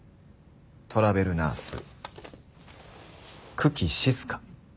「トラベルナース九鬼静」